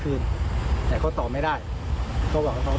คุยกับน้ายด่ง